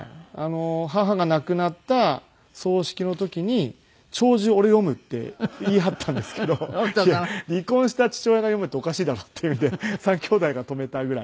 母が亡くなった葬式の時に「弔辞俺読む」って言い張ったんですけど離婚した父親が読むっておかしいだろっていうので３兄弟が止めたぐらい。